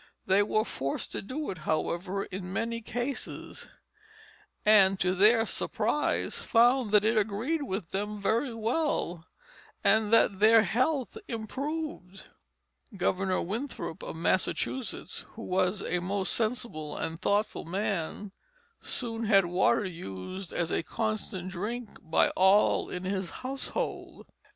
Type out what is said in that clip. They were forced to do it, however, in many cases; and to their surprise found that it agreed with them very well, and that their health improved. Governor Winthrop of Massachusetts, who was a most sensible and thoughtful man, soon had water used as a constant drink by all in his household.